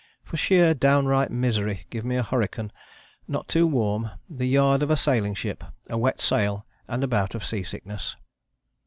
For sheer downright misery give me a hurricane, not too warm, the yard of a sailing ship, a wet sail and a bout of sea sickness.